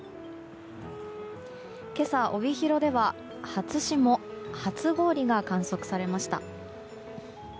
今朝、帯広では初霜・初氷が観測されました。